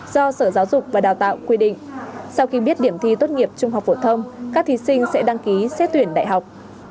các thí sinh sẽ tuyển đại học